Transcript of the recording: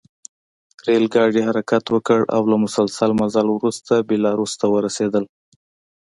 ریل ګاډي حرکت وکړ او له مسلسل مزل وروسته بیلاروس ته ورسېدل